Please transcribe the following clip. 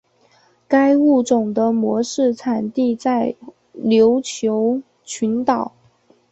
该物种的模式产地在琉球群岛。